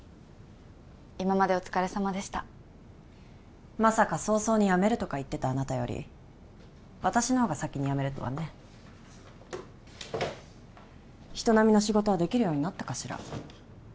今までお疲れさまでしたまさか早々に辞めるとか言ってたあなたより私の方が先に辞めるとはね人並みの仕事はできるようになったかしら？